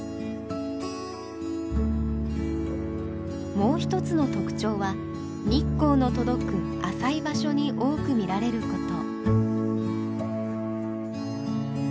もう一つの特徴は日光の届く浅い場所に多く見られること。